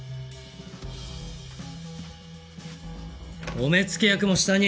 お目付け役も下に！